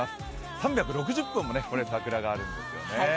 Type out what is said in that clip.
３６０本も桜があるんですよね。